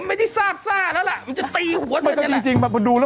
ไม่ได้ซากซากแล้วล่ะจะตีหัวเธอดูแล้ว